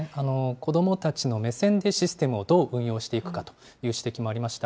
子どもたちの目線でシステムをどう運用していくかという指摘もありました。